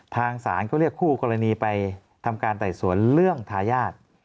ทางศาลก็เรียกคู่กรณีไปทำการไต่สวนเรื่องทายาท